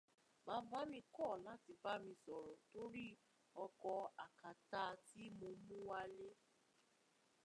Bàbá mi kọ̀ láti bá mi sọ̀rọ̀ torí ọ̀kọ akáta tí mo mú wálé